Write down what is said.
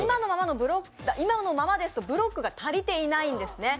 今のままだとブロックが足りてないんですね